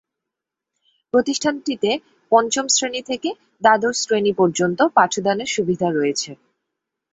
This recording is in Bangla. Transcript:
প্রতিষ্ঠানটিতে পঞ্চম শ্রেণি থেকে দ্বাদশ শ্রেণি পর্যন্ত পাঠদানের সুবিধা রয়েছে।